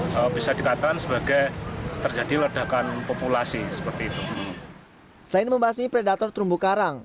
selain membahas ini predator terumbu karang